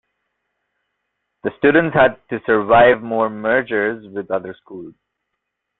The students had to survive more mergers with other schools.